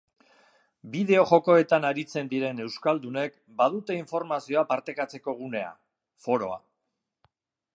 Bideo jokoetan aritzen diren euskaldunek badute informazioa partekatzeko gunea, foroa.